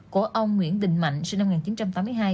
của ông nguyễn đình mạnh sinh năm một nghìn chín trăm tám mươi hai